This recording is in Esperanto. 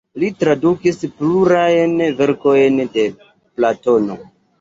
Li tradukis plurajn verkojn de Platono.